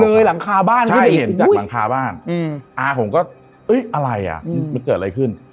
หลังคาบ้านให้เห็นจากหลังคาบ้านอาผมก็เอ้ยอะไรอ่ะมันเกิดอะไรขึ้น